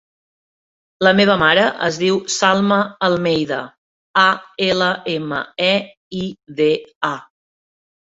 La meva mare es diu Salma Almeida: a, ela, ema, e, i, de, a.